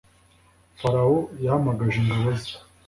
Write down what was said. farawo yahamagaje ingabo ze,